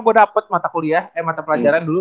gue dapet mata kuliah eh mata pelajaran dulu